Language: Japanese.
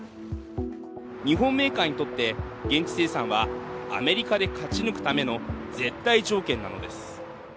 日本メーカーにとって現地生産はアメリカで勝ち抜くための絶対条件なのです。